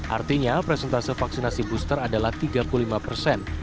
artinya presentase vaksinasi booster adalah tiga puluh lima persen